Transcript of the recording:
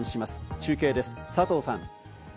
中継です、佐藤さん。